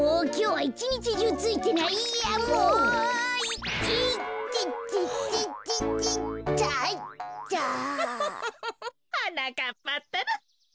はなかっぱったら。